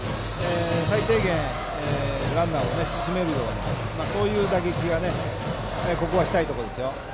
最低限、ランナーを進めるような打撃がここはしたいところです。